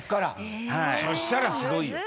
そしたらすごいよ。